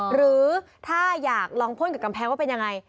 หรือถ้าอยากลองพ่นกับกำแพงว่าเป็นยังไง